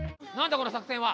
この作戦は？